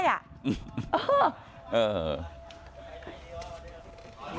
อืม